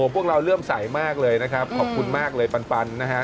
พวกเราเริ่มใสมากเลยนะครับขอบคุณมากเลยปันนะฮะ